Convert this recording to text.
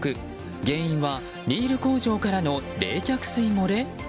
原因は、ビール工場からの冷却水漏れ？